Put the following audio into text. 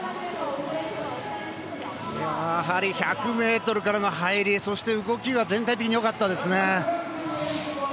やはり１００ｍからの入りそして、動きが全体的によかったですね。